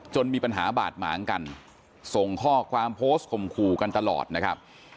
มีปัญหาบาดหมางกันส่งข้อความโพสต์ข่มขู่กันตลอดนะครับ